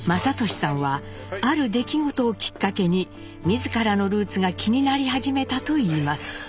雅俊さんはある出来事をきっかけに自らのルーツが気になり始めたといいます。